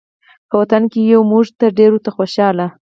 په وطن کې یو موږ ډېر ورته خوشحاله